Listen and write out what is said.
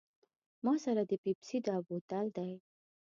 ما سره د پیپسي دا بوتل دی.